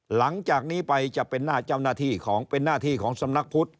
หลังจากนี้ไปจะเป็นหน้าเจ้าหน้าที่ของเป็นหน้าที่ของสำนักพุทธ